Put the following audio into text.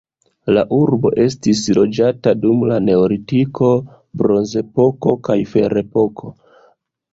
La urbo estis loĝata dum la neolitiko, bronzepoko kaj ferepoko.